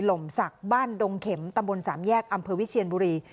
หลุมสักบ้านโดงเข็มตำบลสามแยกอำเวทเถียนบุรี